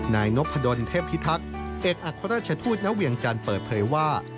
นายนพดลเทพิทักษ์เอกอัครราชทูตณเวียงจันทร์เปิดเผยว่า